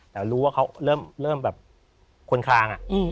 แต่รู้ว่าเขาเริ่มแบบคนคลาง